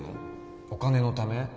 お金のため？